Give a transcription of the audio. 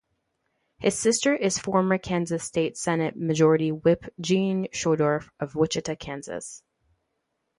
His sister is former Kansas state Senate Majority Whip Jean Schodorf, of Wichita, Kansas.